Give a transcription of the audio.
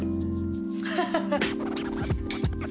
ハハハ。